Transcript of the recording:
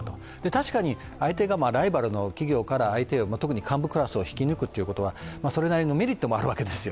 確かに相手がライバルの企業から特に幹部クラスを引き抜くということはそれなりのメリットもあるわけです。